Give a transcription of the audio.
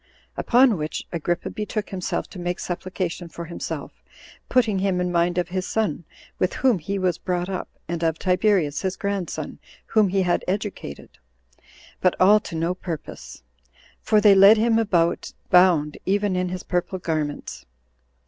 Upon which Agrippa betook himself to make supplication for himself, putting him in mind of his son, with whom he was brought up, and of Tiberius [his grandson] whom he had educated; but all to no purpose; for they led him about bound even in his purple garments.